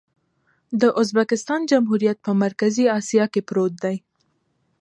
د ازبکستان جمهوریت په مرکزي اسیا کې پروت دی.